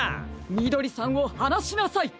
みどりさんをはなしなさい！